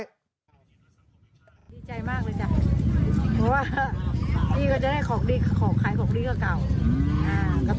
ดีใจมากเลยจ้ะเพราะว่าพี่ก็จะได้ของดีของขายของดีกว่าเก่า